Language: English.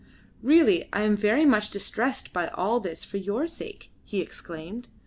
"Really I am very much distressed by all this for your sake," he exclaimed.